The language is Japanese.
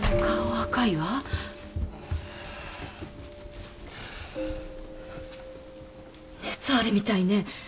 赤いわ熱あるみたいね